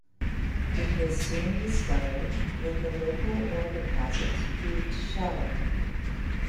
It was soon discovered that the local ore deposits proved shallow.